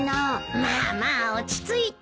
まあまあ落ち着いて。